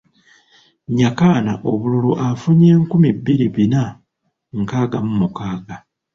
Nyakana obululu afunye nkumi bbiri bina nkaaga mu mukaaga.